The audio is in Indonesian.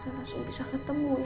langsung bisa ketemu